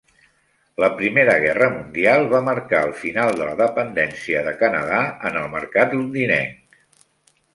La Primera Guerra Mundial va marcà el final de la dependència de Canadà en el mercat londinenc.